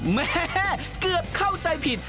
แม่เกือบเข้าใจผิด